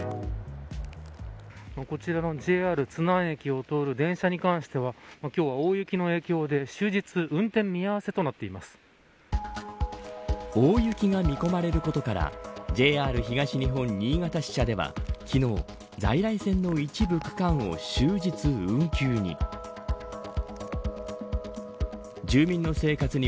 こちらの、ＪＲ津南駅を通る電車に関しては今日は大雪の影響で終日運転見合わせと大雪が見込まれることからＪＲ東日本新潟支社では昨日、在来線の一部区間を終日運休に。